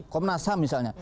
komnas ham misalnya